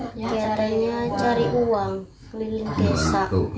kegiatannya cari uang keliling desa